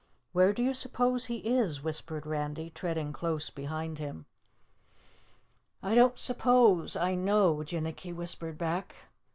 "Where do you suppose he is?" whispered Randy, treading close behind him. "I don't suppose, I know," Jinnicky whispered back.